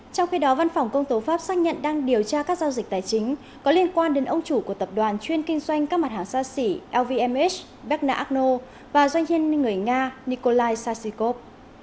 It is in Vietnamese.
trong khi đó văn phòng công tố pháp xác nhận đang điều tra các giao dịch tài chính có liên quan đến ông chủ của tập đoàn chuyên kinh doanh các mặt hàng xa xỉ lms berna argno và doanh nhân người nga nikolai sacikov